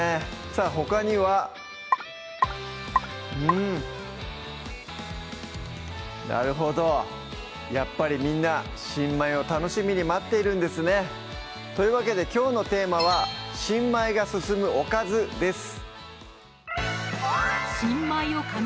さぁほかにはうんなるほどやっぱりみんな新米を楽しみに待ってるんですねというわけできょうのテーマは「新米が進むおかず」です